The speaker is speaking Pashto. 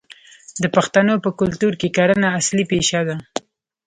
د پښتنو په کلتور کې کرنه اصلي پیشه ده.